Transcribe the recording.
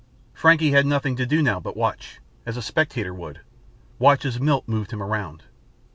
Frankie had nothing to do now but watch, as a spectator would; watch as Milt moved him around.